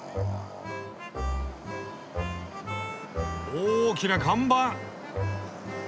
大きな看板！